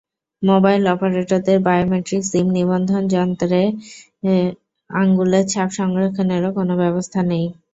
Mobile অপারেটরদের biometric SIM নিবন্ধনযন্ত্রে আঙুলের ছাপ সংরক্ষণেরও কোনো ব্যবস্থা নেই।